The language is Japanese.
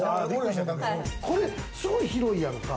すごい広いやんか。